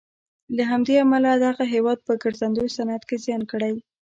له همدې امله دغه هېواد په ګرځندوی صنعت کې زیان کړی.